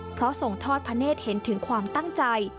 เพราะส่งทอดพระเนธเห็นถึงความตั้งใจ